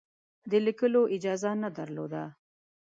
د لیکلو اجازه نه درلوده.